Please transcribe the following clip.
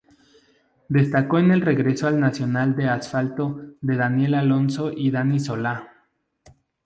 Destacó el regreso al nacional de asfalto de Daniel Alonso y Dani Solá.